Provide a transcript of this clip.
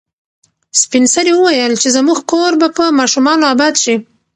سپین سرې وویل چې زموږ کور به په ماشومانو اباد شي.